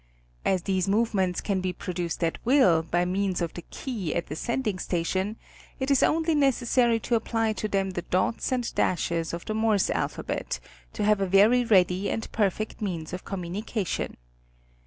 As these movements can be produced at will by means of the key at the sending station, it is only necessary to apply to them the dots and dashes of the Morse alphabet, to have a very ready and perfect means of communication.